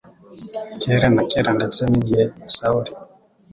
kera na kare ndetse n igihe Sawuli